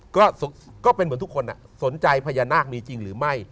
ก็เป็นเหมือนทุกคนสนใจพญานาคมีจริงหรือไม่